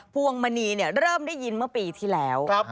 พวงมณีเริ่มได้ยินเมื่อปีที่แล้ว